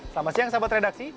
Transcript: selamat siang sahabat redaksi